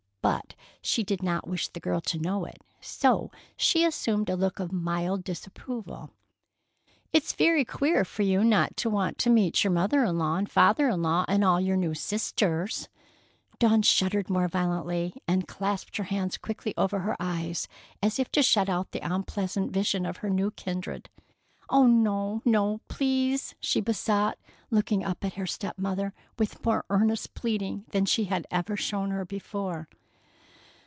But she did not wish the girl to know it, so she assumed a look of mild disapproval. "It's very queer for you not to want to meet your mother in law and father in law, and all your new sisters——" Dawn shuddered more violently, and clasped her hands quickly over her eyes, as if to shut out the unpleasant vision of her new kindred. "Oh, no, no, please!" she besought, looking up at her step mother with more earnest pleading than she had ever shown her before.